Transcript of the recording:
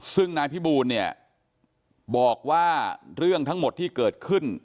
ซึ่งนายพิบูลเนี่ยบอกว่าเรื่องทั้งหมดที่เกิดขึ้น